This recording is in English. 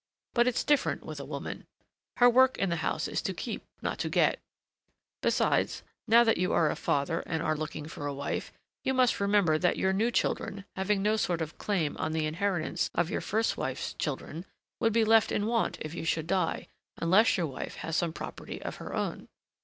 But it's different with a woman: her work in the house is to keep, not to get. Besides, now that you are a father and are looking for a wife, you must remember that your new children, having no sort of claim on the inheritance of your first wife's children, would be left in want if you should die, unless your wife had some property of her own.